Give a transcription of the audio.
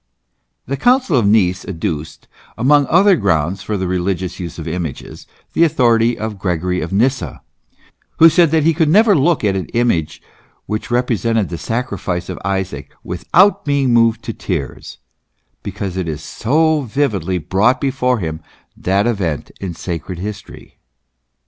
The Council of Nice adduced amongst other grounds for the religious use of images, the authority of Gregory of Nyssa, who said that he could never look at an image which repre sented the sacrifice of Isaac without heing moved to tears, because it so vividly brought before him that event in sacred history.